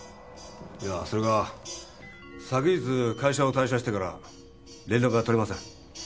いやぁそれが昨日会社を退社してから連絡が取れません。